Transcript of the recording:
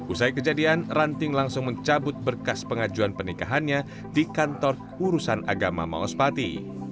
usai kejadian ranting langsung mencabut berkas pengajuan pernikahannya di kantor urusan agama maospati